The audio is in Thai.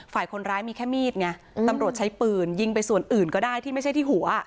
ฝ่ายคนร้ายมีแค่มีดไงตำรวจใช้ปืนยิงไปส่วนอื่นก็ได้ที่ไม่ใช่ที่หัว